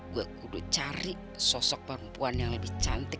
gue udah cari sosok perempuan yang lebih cantik